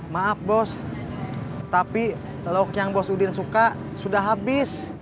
maaf bos tapi lauk yang bos udin suka sudah habis